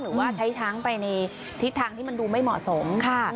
หรือว่าใช้ช้างไปในทิศทางที่มันดูไม่เหมาะสม